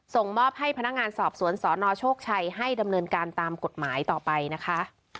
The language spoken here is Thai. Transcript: ส่งมอบให้พนักงานสอบสวนสนโชคชัยให้ดำเนินการตามกฎหมายต่อไปนะคะ